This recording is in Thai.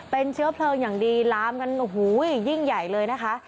เป็นเชื้อเพลิงอย่างดีลามกันโอ้โหยิ่งใหญ่เลยนะคะ